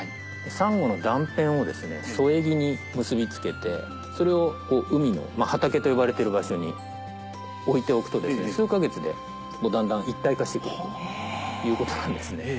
サンゴの断片を添え木に結び付けてそれを海の畑と呼ばれてる場所に置いておくと数か月でだんだん一体化して来るということなんですね。